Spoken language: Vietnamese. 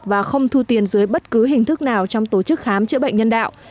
và không thu tiền dưới bất cứ hình thức nào trong tổ chức khám chữa bệnh nhân đạo